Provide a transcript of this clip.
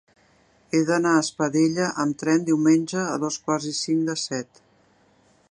He d'anar a Espadella amb tren diumenge a dos quarts i cinc de set.